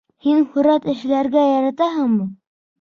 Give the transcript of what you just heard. — Һин һүрәт эшләргә яратаһыңмы?